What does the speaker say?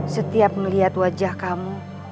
setiap ngeliat wajah kamu